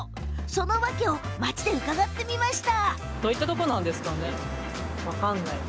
その訳を街で伺ってみました。